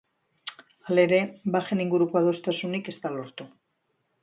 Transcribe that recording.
Hala ere, bajen inguruko adostasunik ez da lortu.